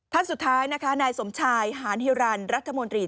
ท่านสุดท้ายนะคะนายสมชายหานฮิวรรณรัฐมนตรี